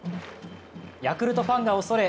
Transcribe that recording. ヤクルトファンが恐れ